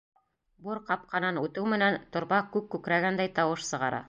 Бур ҡапҡанан үтеү менән, торба күк күкрәгәндәй тауыш сығара.